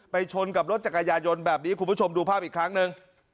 ชนกับรถจักรยายนต์แบบนี้คุณผู้ชมดูภาพอีกครั้งหนึ่ง